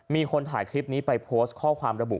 มีคนถ่ายคลิปนี้ไปโพสต์ข้อความระบุ